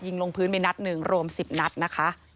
ลงพื้นไปนัดหนึ่งรวม๑๐นัดนะคะ